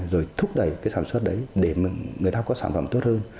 rồi thúc đẩy cái sản xuất đấy để người ta có sản phẩm tốt hơn